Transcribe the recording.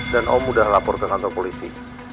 dan om udah lapor ke kantor polisi